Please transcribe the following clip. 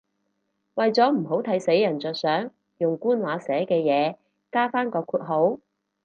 為咗唔好睇死人着想，用官話寫嘅嘢加返個括號